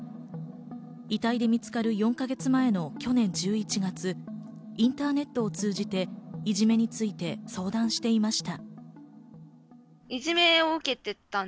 遺体で見つかる４か月前の去年１１月、インターネットを通じていじめについて相談していました。